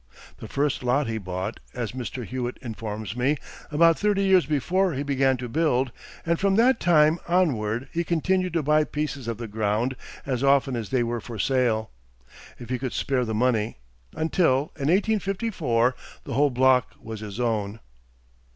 The first lot he bought, as Mr. Hewitt informs me, about thirty years before he began to build, and from that time onward he continued to buy pieces of the ground as often as they were for sale, if he could spare the money; until in 1854 the whole block was his own.